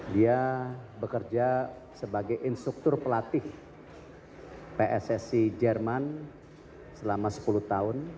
dia bekerja sebagai instruktur pelatih pssi jerman selama sepuluh tahun